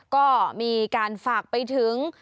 ก็มีการฝากไปถึง